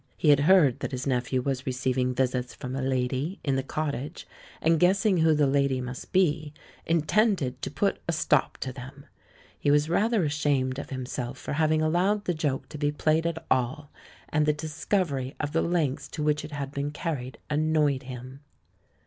He had heard that his nephew was re ceiving visits from a "lady" in the cottage, and guessing who the lady must be, intended to put a stop to them. He was rather ashamed of him THE LAURELS AND THE LADY 119 self for having allowed the joke to be played at all, and the discovery of the lengths to which it had been carried annoyed him.